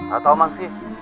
gak tau mamski